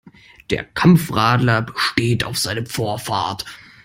Der Kampfradler besteht auf seine Vorfahrt.